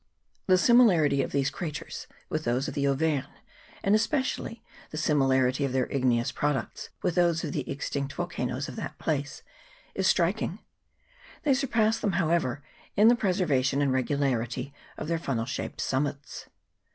The similarity of these craters with those of the Auvergne, and especially the similarity of their igneous products with those of the extinct volcanoes of that place, is striking. They surpass them, how ever, in the preservation and regularity of their funnel shaped summits.